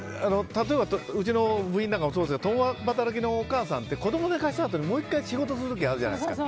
例えばうちの部員なんかもそうですが共働きのお母さんって子供寝かしたあとにもう１回仕事することがあるじゃないですか。